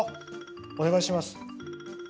お願いします。